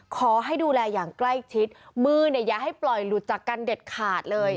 ขอให้ดูแลอย่างใกล้ชิดมือเนี่ยอย่าให้ปล่อยหลุดจากกันเด็ดขาดเลย